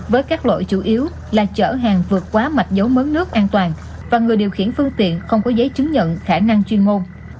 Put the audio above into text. với các lỗi chủ yếu là chở hàng vượt quá mạch dấu mớn nước an toàn và người điều khiển phương tiện không có giấy chứng nhận khả năng chuyên môn